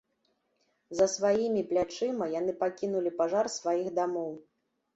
За сваімі плячыма яны пакінулі пажар сваіх дамоў.